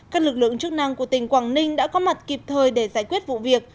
các lực lượng chức năng của tỉnh quảng ninh đã có mặt kịp thời để giải quyết vụ việc